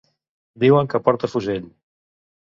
Diuen que porta fusell.